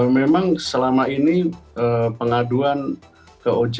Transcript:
memang selama ini pengaduan ke ojk